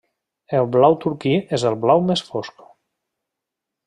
El blau turquí és el blau més fosc.